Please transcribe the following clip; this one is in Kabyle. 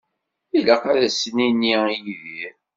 Ilaq ad as-nini i Yidir.